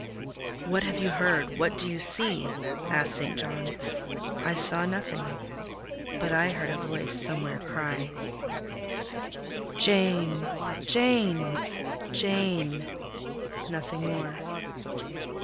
"What have you heard? What do you see?" asked St. John. I saw nothing, but I heard a voice somewhere cry— "Jane! Jane! Jane!"—nothing more.